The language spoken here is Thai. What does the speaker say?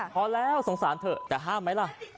พอแล้วสงสารเถอะแต่ห้ามไหมล่ะ